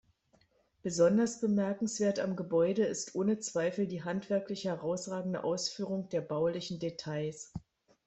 Besonders bemerkenswert am Gebäude ist ohne Zweifel die handwerklich herausragende Ausführung der baulichen Details.